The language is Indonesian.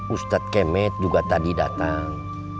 ustadz kemet juga tadi datang